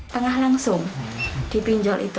tengah langsung dipinjol itu